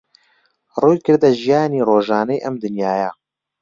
ڕوویکردە ژیانی ڕۆژانەی ئەم دنیایە